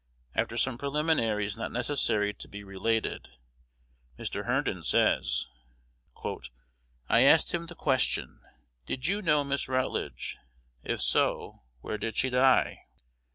After some preliminaries not necessary to be related, Mr. Herndon says, "I asked him the question: "'Did you know Miss Rutledge? If so, where did she die?'